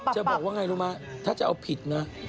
ช้าบอกว่าง่ายนุ่มมาร์ถ้าเอาผิดนะ